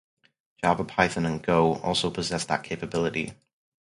Java, Python and Go - also possess that capability.